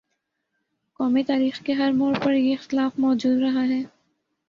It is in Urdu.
قومی تاریخ کے ہر موڑ پر یہ اختلاف مو جود رہا ہے۔